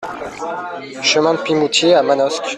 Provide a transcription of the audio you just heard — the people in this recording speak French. Chemin de Pimoutier à Manosque